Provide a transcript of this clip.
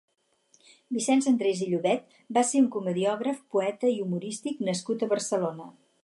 Vicenç Andrés i Llobet va ser un comediògraf, poeta i humorísta nascut a Barcelona.